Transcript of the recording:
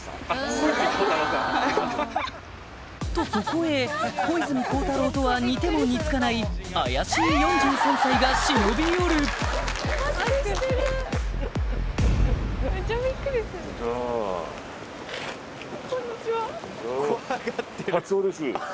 とそこへ小泉孝太郎とは似ても似つかない怪しい４３歳が忍び寄るどうも！